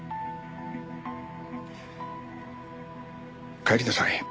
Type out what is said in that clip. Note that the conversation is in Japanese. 帰りなさい。